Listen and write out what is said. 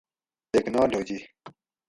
ٹیکنالوجی